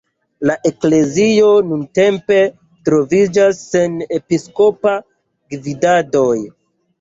La eklezio nuntempe troviĝas sen episkopa gvidado.